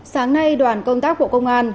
sáng nay đoàn công tác bộ công an